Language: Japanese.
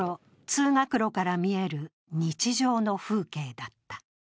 通学路から見える日常の風景だった。